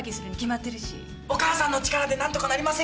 お母さんのお力で何とかなりませんかねぇ。